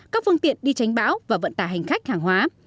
các phương tiện đi tránh bão và vận tải hành khách hàng hóa